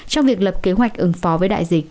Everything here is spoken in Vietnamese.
trong việc lập kế hoạch ứng phó với đại dịch